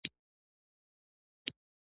دا عنصر د نباتاتو د تنو په ودې کې برخه لري.